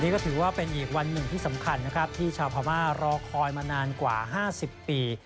ก็ถือว่าเป็นอีกวันหนึ่งที่สำคัญนะครับที่ชาวพม่ารอคอยมานานกว่า๕๐ปี